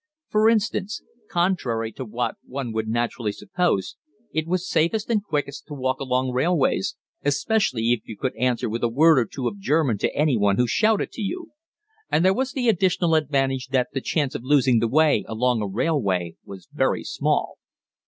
For instance contrary to what one would naturally suppose it was safest and quickest to walk along railways especially if you could answer with a word or two of German to any one who shouted to you. And there was the additional advantage that the chance of losing the way along a railway was very small.